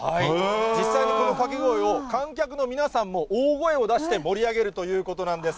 実際にこの掛け声を観客の皆さんも大声を出して盛り上げるということなんです。